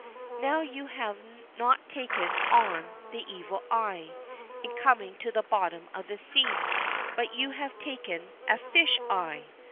Now you have not taken on "the evil eye" in coming to the bottom of the sea, but you have taken a "fish eye."